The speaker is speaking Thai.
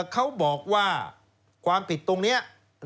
เขาบอกว่าความผิดตรงนี้